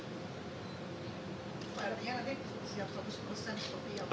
berarti nanti siap suatu suku sen seperti apa